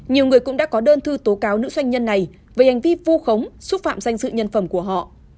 nhiều người cũng đã có đơn thư tố cáo nữ doanh nhân này về hành vi vu khống xúc phạm danh dự nhân phẩm của họ